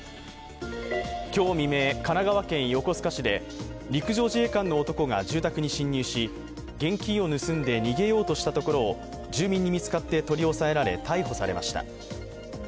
今日未明、神奈川県横須賀市で陸上自衛官の男が住宅に侵入し、現金を盗んで逃げようとしたところを住民に見つかって取り押さえられ、逮捕されました。